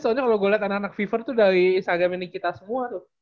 iya soalnya kalau gue liat anak anak fever tuh dari instagram nikita semua tuh